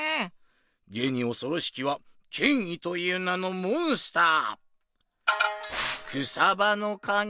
げにおそろしきは権威という名のモンスター！